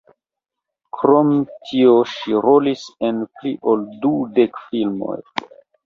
Krom tio ŝi rolis en pli ol dudek filmoj.